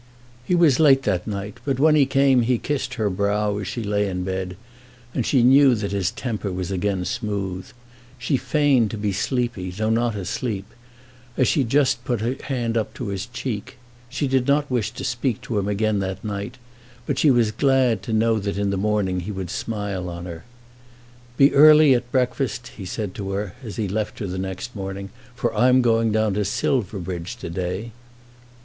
He was late that night, but when he came he kissed her brow as she lay in bed, and she knew that his temper was again smooth. She feigned to be sleepy, though not asleep, as she just put her hand up to his cheek. She did not wish to speak to him again that night, but she was glad to know that in the morning he would smile on her. "Be early at breakfast," he said to her as he left her the next morning, "for I'm going down to Silverbridge to day."